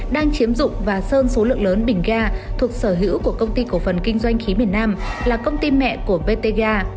đang chiếm dụng và sơn số lượng lớn bình ga thuộc sở hữu của công ty cổ phần kinh doanh khí miền nam là công ty mẹ của btega